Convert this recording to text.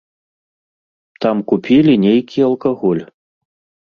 Там купілі нейкі алкаголь.